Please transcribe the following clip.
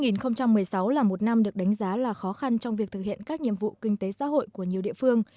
năm hai nghìn một mươi sáu là một năm được đánh giá là khó khăn trong việc thực hiện các nhiệm vụ kinh tế xã hội của nhiều địa phương